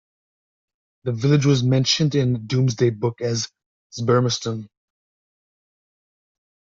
The village was mentioned in Domesday Book as "Sbermestun".